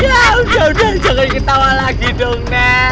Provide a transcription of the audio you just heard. ya udah udah jangan ketawa lagi dong